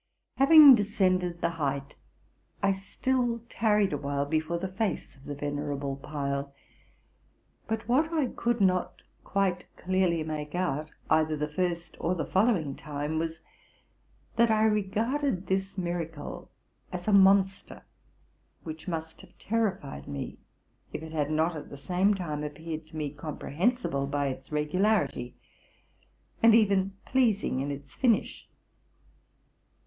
Having descended the height, I still tarried a while before the face of the venerable pile; J}ut what I could not quite RELATING TO MY LIFE. 297 clearly make out, either the first or the followi ins time, was, that I regarded this miracle as a monster, which must have terrified me, if it had not, at the same time, appeared to me comprehensible by its regularity, and even pleasing in its fin ish.